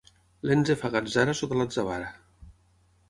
L'enze fa gatzara sota l'atzavara.